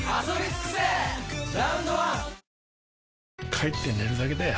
帰って寝るだけだよ